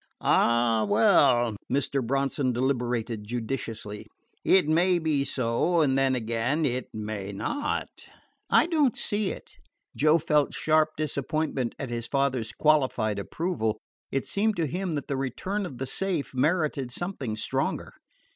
"Ah, well," Mr. Bronson deliberated judiciously, "it may be so, and then again it may not." "I don't see it." Joe felt sharp disappointment at his father's qualified approval. It seemed to him that the return of the safe merited something stronger.